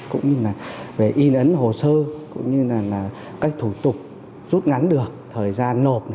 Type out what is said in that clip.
cũng như là về in ấn hồ sơ cũng như là các thủ tục rút ngắn được thời gian nộp